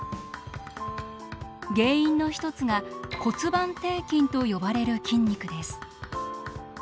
原因の一つが骨盤底筋と呼ばれる筋肉です。